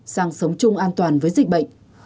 sang sống chung an toàn với dịch bệnh